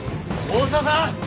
大沢さん！